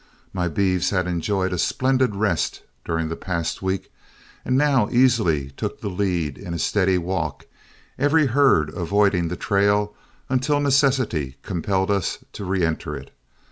My beeves had enjoyed a splendid rest during the past week, and now easily took the lead in a steady walk, every herd avoiding the trail until necessity compelled us to reenter it.